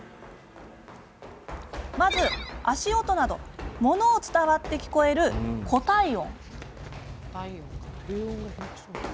まずは、足音など物を伝わって聞こえる固体音。